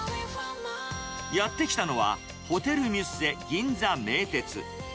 やって来たのは、ホテルミュッセ銀座名鉄。